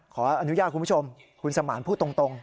ขออนุญาตคุณผู้ชมคุณสมานพูดตรง